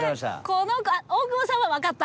この大久保さんは分かった。